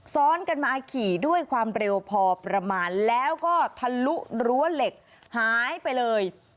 ซ้อนกันมาขี่ด้วยความเร็วพอประมาณแล้วก็ทะลุรั้วเหล็กหายไปเลย